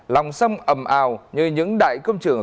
lòng sông ầm ào như những đại công trường